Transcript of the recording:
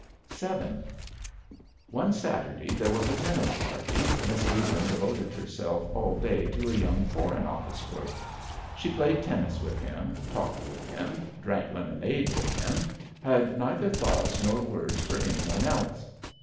VII. JNE Saturday there was a tennis party. Miss Le land devoted herself all day to a young Foreign Office clerk. She played tennis with him, talked with him, drank lemonade with him, had neither thoughts nor words for any one else.